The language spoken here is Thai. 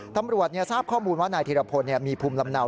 ตำรวจทราบข้อมูลว่านายธิรพลมีภูมิลำเนา